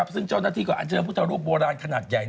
ซึ่งเจ้าหน้าที่ก็อันเชิญพุทธรูปโบราณขนาดใหญ่